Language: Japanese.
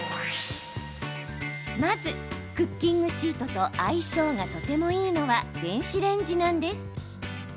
まず、クッキングシートと相性がとてもいいのは電子レンジなんです。